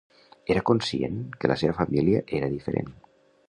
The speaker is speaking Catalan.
Era conscient que la seva família era diferent.